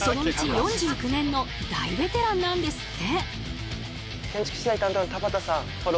４９年の大ベテランなんですって。